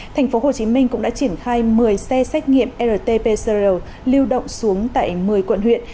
thành phố hồ chí minh cũng đã triển khai một mươi xe xét nghiệm rt p lưu động xuống tại một mươi quận huyện